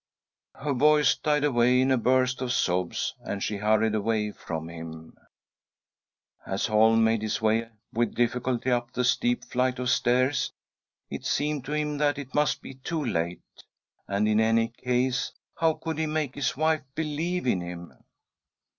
Her voice died away in a burst of sobs, and she hurried away from him. i '';*£?£'.■• 186 THY SOUL SHALL BEAR WITNESS! As Holm made his way with difficulty up, the. steep flight of stairs, it seemed to him that it must be too late— and, in any case, how could he make his wife believe in him?